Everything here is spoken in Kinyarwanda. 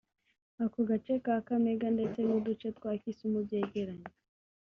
Ako gace ka Kakamega ndetse n’uduce twa Kisumu byegeranye